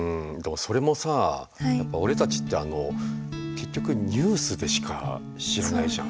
それもさやっぱ俺たちって結局ニュースでしか知らないじゃん